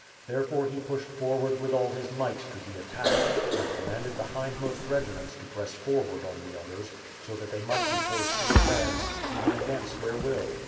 Therefore he pushed forward with all his might to the attack, and com manded the hindmost regiments to press forward on the others so that they might be forced to advance, even against their will.